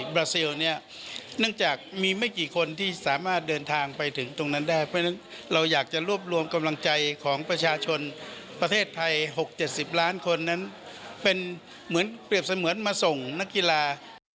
เนื่องจากมีไม่กี่คนที่สามารถเดินทางไปถึงตรงนั้นได้เพราะฉะนั้นเราอยากจะรวบรวมกำลังใจของประชาชนประเทศไทย๖๗๐ล้านคนนั้นเป็นเหมือนเปรียบเสมือนมาส่งนักกีฬา